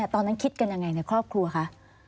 ตอนนั้นคิดกันยังไงในครอบครัวคะ